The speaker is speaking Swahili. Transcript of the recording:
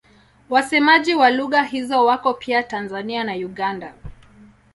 Wasemaji wa lugha hizo wako pia Tanzania na Uganda.